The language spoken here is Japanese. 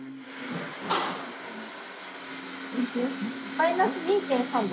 マイナス２．３度。